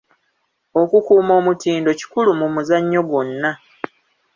Okukuuma omutindo kikulu mu muzannyo gwonna.